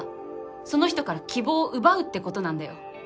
その人から希望を奪うってことなんだよ。